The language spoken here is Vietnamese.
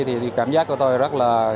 thì cảm giác của tôi rất là